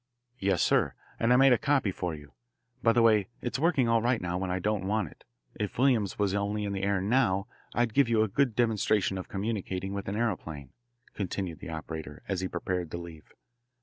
"Yes, sir. And I made a copy for you. By the way, it's working all right now when I don't want it. If Williams was only in the air now I'd give you a good demonstration of communicating with an aeroplane," continued the operator as he prepared to leave.